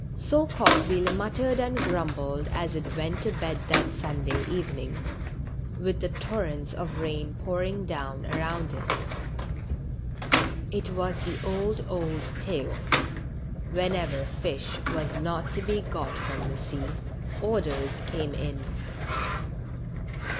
So Coqueville muttered and grumbled as it went to bed that Sunday evening, with the torrents of rain pour ing down around it. It was the old, old tale; whenever fish was not to be got from the sea, orders came in.